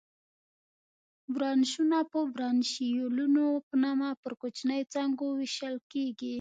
برانشونه په برانشیولونو په نامه پر کوچنیو څانګو وېشل کېږي.